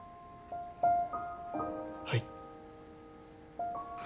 はい。